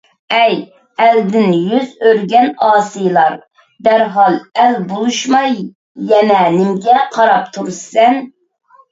ئەي! ئەلدىن يۈز ئۆرۈگەن ئاسىيلار، دەرھال ئەل بولۇشماي يەنە نېمىگە قاراپ تۇرۇشىسەن!